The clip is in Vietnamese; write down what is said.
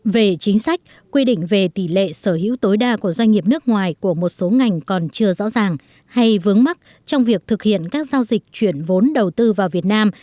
về chính sách quy định về tỷ lệ sở hữu tối đa của doanh nghiệp nước ngoài của một số ngành còn chưa rõ ràng hay vướng mắt trong việc thực hiện các giao dịch chuyển vốn đầu tư vào việt nam